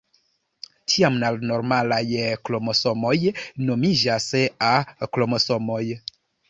Tiam la normalaj kromosomoj nomiĝas A-kromosomoj.